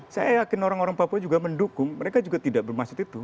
saya yakin orang orang papua juga mendukung mereka juga tidak bermaksud itu